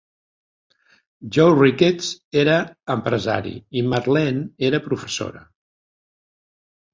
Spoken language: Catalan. Joe Ricketts era empresari i Marlene era professora.